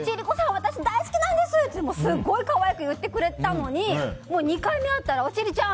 私大好きなんです！ってすごい可愛く言ってくれたのに２回目あったら、千里ちゃん！